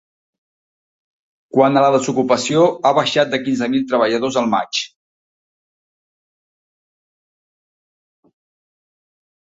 Quant a la desocupació, ha baixat de quinze mil treballadors al maig.